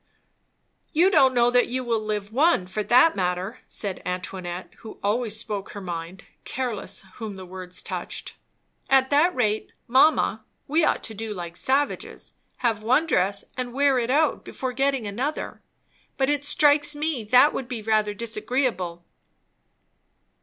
"You don't know that you will live one, for that matter," said Antoinette, who always spoke her mind, careless whom the words touched. "At that rate, mamma, we ought to do like savages, have one dress and wear it out before getting another; but it strikes me that would be rather disagreeable."